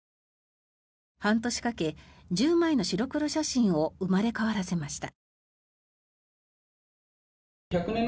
半年かけ、１０枚の白黒写真を生まれ変わらせました。